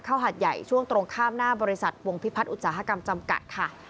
หาดใหญ่ช่วงตรงข้ามหน้าบริษัทวงพิพัฒนอุตสาหกรรมจำกัดค่ะ